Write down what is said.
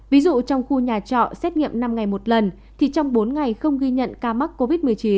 ví dụ trong khu nhà trọ xét nghiệm năm ngày một lần thì trong bốn ngày không ghi nhận ca mắc covid một mươi chín